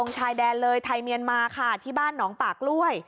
ชายแดนเลยไทยเมียนมาค่ะที่บ้านหนองปากกล้วย